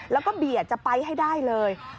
แล้วก็เบียดจะไปให้ได้เลย